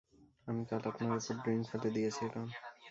আমি কাল আপনার উপর ড্রিংক ফেলে দিয়েছিলাম।